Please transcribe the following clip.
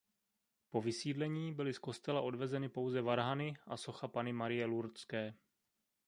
Po vysídlení byly z kostela odvezeny pouze varhany a socha Panny Marie Lurdské.